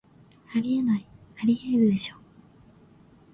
あり得ない、アリエールでしょ